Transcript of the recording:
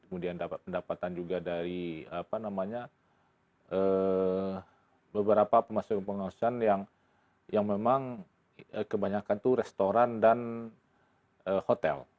kemudian dapat pendapatan juga dari beberapa pemasukan pengawasan yang memang kebanyakan itu restoran dan hotel